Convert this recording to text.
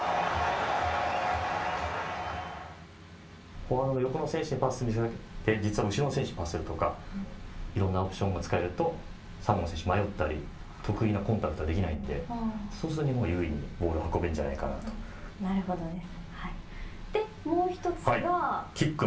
フォワードの横の選手目がけて、パスをしたりするとか、実は後ろの選手にパスするとか、いろんなオプションも使えると、サモアの選手迷ったり、得意なコンタクトができないのでそうすると日本が有利にボール運べるんじゃないかなるほどです。